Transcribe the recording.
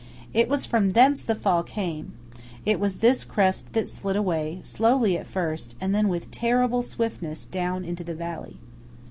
It was from thence the fall came; it was this crest that slid away, slowly at first, and then with terrible swiftness, down into the valley.